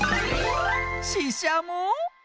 ししゃも？